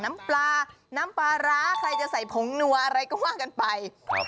น้ำปลาน้ำปลาร้าใครจะใส่ผงนัวอะไรก็ว่ากันไปครับ